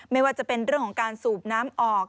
ไม่ว่าจะเป็นเรื่องของการสูบน้ำออก